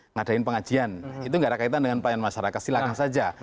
ngadain pengajian itu gak ada kaitan dengan pelayanan masyarakat silakan saja